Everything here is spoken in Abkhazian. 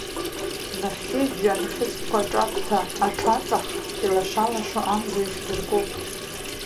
Нахьхьи, жәҩан хыцәқәаҿаԥҭа аҽаҵх, илаша-лашо амза ихьӡарку.